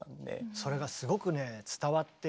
それがすごくね伝わってきました。